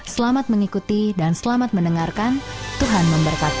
selamat mengikuti dan selamat mendengarkan tuhan memberkati